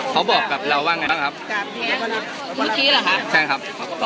ขอบอกกับเราว่าอย่างไรบ้างครับ